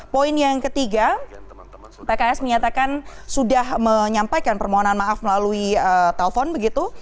poin yang ketiga pks menyatakan sudah menyampaikan permohonan maaf melalui telpon begitu